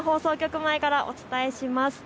前からお伝えします。